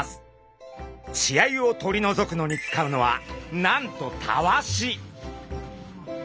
血合いを取り除くのに使うのはなんとタワシ。